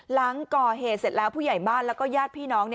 หลังก่อเหตุเสร็จแล้วผู้ใหญ่บ้านแล้วก็ญาติพี่น้อง